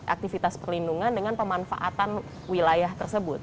aktivitas perlindungan dengan pemanfaatan wilayah tersebut